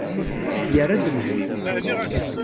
Yerra-d Mhenni.